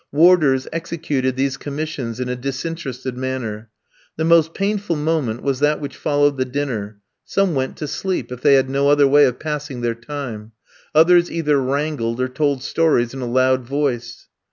Warders executed these commissions in a disinterested manner. The most painful moment was that which followed the dinner; some went to sleep, if they had no other way of passing their time; others either wrangled or told stories in a loud voice.